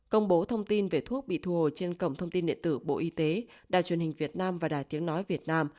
công bố thông tin về thuốc bị thu hồi trên cổng thông tin điện tử bộ y tế đài truyền hình việt nam và đài tiếng nói việt nam